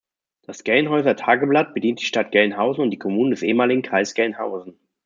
Das "Gelnhäuser Tageblatt" bediente die Stadt Gelnhausen und die Kommunen des ehemaligen Kreises Gelnhausen.